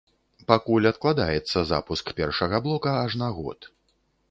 Пакуль адкладаецца запуск першага блока аж на год.